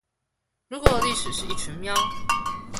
如果歷史是一群喵